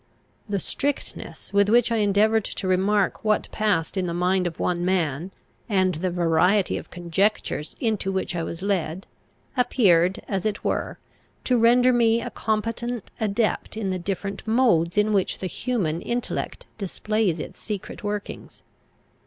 The strictness with which I endeavoured to remark what passed in the mind of one man, and the variety of conjectures into which I was led, appeared, as it were, to render me a competent adept in the different modes in which the human intellect displays its secret workings.